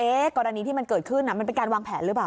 กรณีที่มันเกิดขึ้นมันเป็นการวางแผนหรือเปล่า